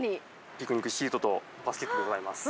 ピクニックシートとバスケットでございます。